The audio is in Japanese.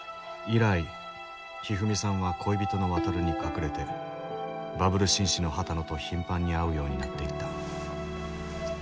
以来ひふみさんは恋人のワタルに隠れてバブル紳士の波多野と頻繁に会うようになっていった